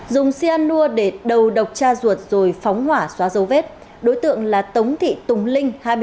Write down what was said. dùng cyanur để đầu độc cha ruột rồi phóng hỏa xóa dấu vết đối tượng là tống thị tùng linh